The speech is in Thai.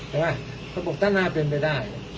ใช่ไหมเค้าบอกซะเน่าเป็นไปได้